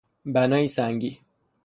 بنایی سنگی